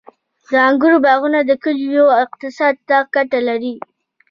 • د انګورو باغونه د کلیو اقتصاد ته ګټه لري.